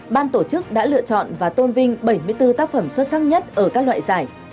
ban tổ chức đã lựa chọn và tôn vinh bảy mươi bốn tác phẩm xuất sắc nhất ở các loại giải